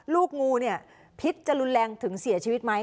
ลูกงูเนี่ยพิษจะรุนแรงถึงเสียชีวิตไหม